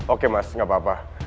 oke mas gak apa apa